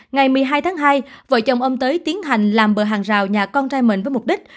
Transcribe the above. ngày một mươi hai tháng hai vợ chồng ông tới tiến hành làm bờ hàng rào nhà con trai mình với mục đích